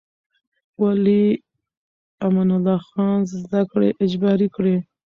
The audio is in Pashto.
ولې امان الله خان زده کړې اجباري کړې؟